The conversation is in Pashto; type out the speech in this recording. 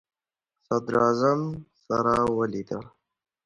صدراعظم سره ولیدل.